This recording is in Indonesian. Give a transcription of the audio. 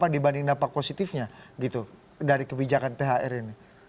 dibanding dampak positifnya gitu dari kebijakan thr ini